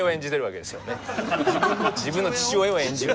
自分の父親を演じる。